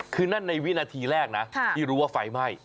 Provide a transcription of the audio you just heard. คือนั่นในวินาทีแรกนะที่รู้ว่าไฟไหม้